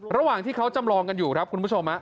ระหว่างที่เขาจำลองกันอยู่ครับคุณผู้ชม